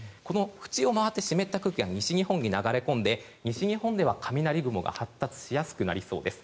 縁を回って湿った空気が西日本に流れ込んで西日本では雷雲が発達しやすくなりそうです。